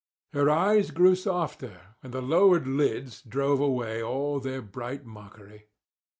Her eyes grew softer, and the lowered lids drove away all their bright mockery.